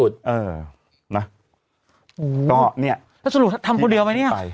ต้อนรู้สรุปทำเขาเดียวไหมนี่